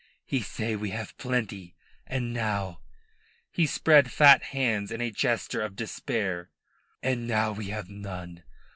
"He say we have plenty, and now" he spread fat hands in a gesture of despair "and now we have none.